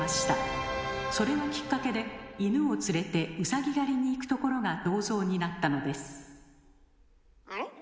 それをきっかけで犬を連れてうさぎ狩りに行くところが銅像になったのですあれ？